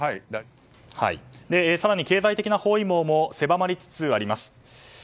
更に経済的な包囲網も狭まりつつあります。